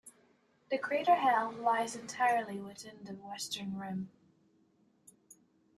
The crater Hell lies entirely within the western rim.